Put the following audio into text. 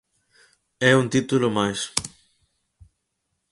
É un título máis.